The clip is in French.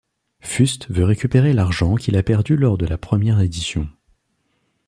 Fust veut récupérer l'argent qu'il a perdu lors de la première édition.